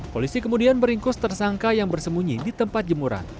polisi kemudian beringkus tersangka yang bersemunyi di tempat jemuran